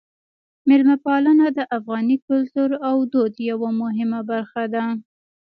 میلمه پالنه د افغاني کلتور او دود یوه مهمه برخه ده.